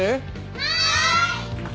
はい！